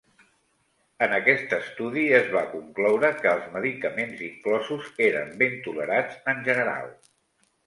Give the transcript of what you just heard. En aquest estudi es va concloure que els medicaments inclosos eren ben tolerats en general.